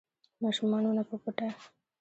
ماشومانو نه په پټه